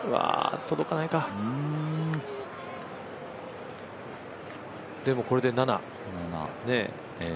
届かないかでもこれで７。